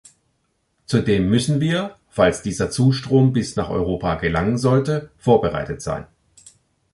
Zudem müssen wir, falls dieser Zustrom bis nach Europa gelangen sollte, vorbereitet sein.